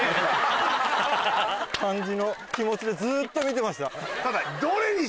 感じの気持ちでずっと見てました。